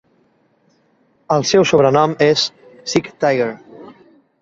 El seu sobrenom és "Sick Tiger".